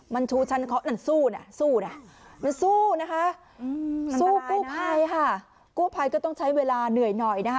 มันสู้นะสู้กู้ไพด์ก็ต้องใช้เวลาเหนื่อยหน่อย